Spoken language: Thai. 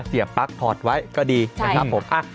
เสียบปั๊กถอดไว้ก็ดีนะครับ